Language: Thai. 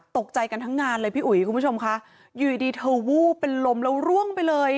ตกใจกันทั้งงานเลยพี่อุ๋ยคุณผู้ชมค่ะอยู่ดีดีเธอวูบเป็นลมแล้วร่วงไปเลย